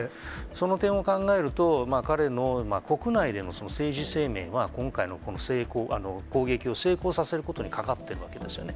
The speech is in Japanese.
その点を考えると、彼の国内での政治生命は、今回のこの攻撃を成功させることにかかっているわけですよね。